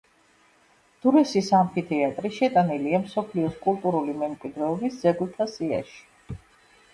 დურესის ამფითეატრი შეტანილია მსოფლიოს კულტურული მემკვიდრეობის ძეგლთა სიაში.